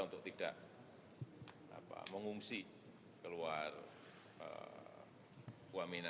untuk tidak mengungsi keluar wamena